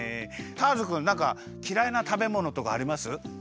ターズくんなんかきらいなたべものとかあります？